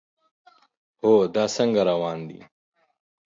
هو، دا څنګه روان دی؟